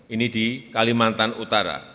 ini di kalimantan utara